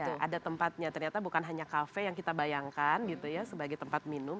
betul ada tempatnya ternyata bukan hanya kafe yang kita bayangkan gitu ya sebagai tempat minum